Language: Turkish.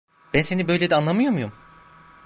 Ben seni böyle de anlamıyor muyum?